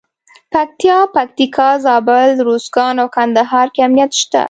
پکتیا، پکتیکا، زابل، روزګان او کندهار کې امنیت شته.